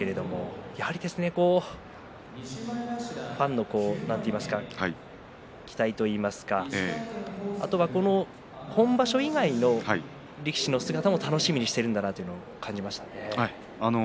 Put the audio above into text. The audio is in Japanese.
やはりファンの期待といいますかあとは本場所以外の力士の姿も楽しみにしているんだなということを感じましたね。